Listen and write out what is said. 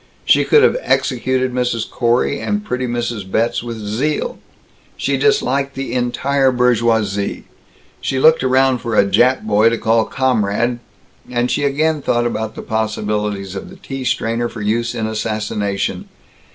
She could have executed Mrs. Corey and pretty Mrs. Betz with zeal; she disliked the entire bourgeoisie; she looked around for a Jap boy to call "comrade" and she again thought about the possibilities of the tea strainer for use in assassination.